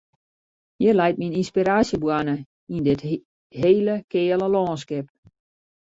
Hjir leit myn ynspiraasjeboarne, yn dit hele keale lânskip.